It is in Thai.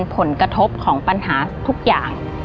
ผลกระทบของปัญหาทุกอย่าง